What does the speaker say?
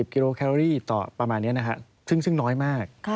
กิโลแคลอรี่ต่อประมาณนี้นะครับซึ่งน้อยมาก